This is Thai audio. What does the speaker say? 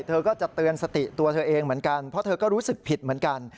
เธอก็จะเตือนสติตัวเธอเองเหมือนกันเพราะเธอก็รู้สึกผิดเหมือนกัน